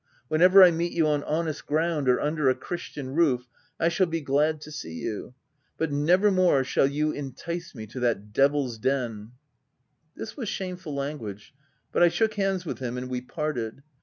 Whenever I meet you on honest ground or under a christian roof, I shall be glad to see you ; but never more shall you entice me to that deviPs den V " This was shameful language, but I shook hands with him, and we parted.